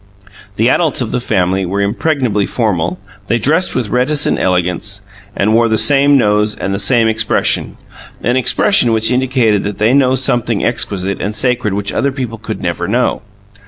The adults of the family were impregnably formal; they dressed with reticent elegance, and wore the same nose and the same expression an expression which indicated that they knew something exquisite and sacred which other people could never know.